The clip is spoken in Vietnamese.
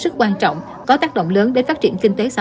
cảm ơn các bạn